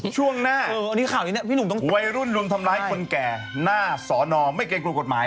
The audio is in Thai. ช่วงหน้าวัยรุ่นลุงทำร้ายคนแก่หน้าสอนออมไม่เก็บกลุ่มกฎหมาย